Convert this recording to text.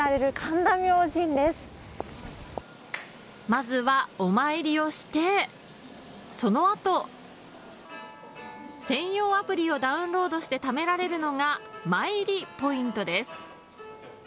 まずは、お参りをしてそのあと専用アプリをダウンロードしてためられるのが参詣ポイントです。